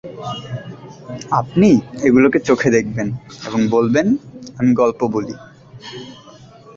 আপনি এগুলিকে চোখে দেখবেন এবং বলবেন, 'আমি গল্প বলি।'